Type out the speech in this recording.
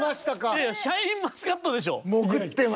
いやいやシャインマスカットでしょ。